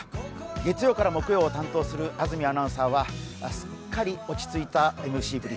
月曜から木曜を担当する安住アナウンサーはすっかり落ち着いたＭＣぶり。